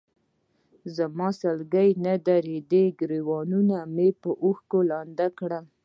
زما سلګۍ نه درېدې، ګرېوان مې به اوښکو لوند کړ.